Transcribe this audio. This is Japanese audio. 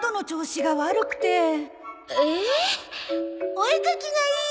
お絵描きがいい！